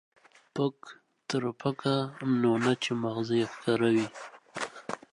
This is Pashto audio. پک تر پکه، نو نه چې ما غزه يې ښکاره وي.